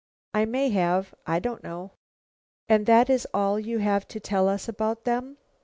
"I may have. I don't know." "And that is all you have to tell us about them?"